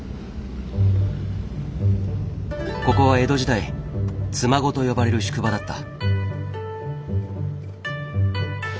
ここは江戸時代「妻籠」と呼ばれる宿場だった。